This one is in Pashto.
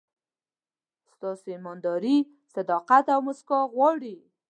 ستاسو ایمانداري، صداقت او موسکا غواړي.